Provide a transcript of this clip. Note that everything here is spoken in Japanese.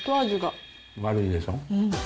悪いでしょ？